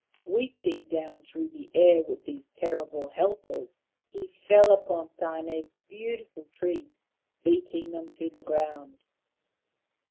Sweeping down through the air with these terrible helpers, he fell upon Tane's beautiful trees, beating them to the ground.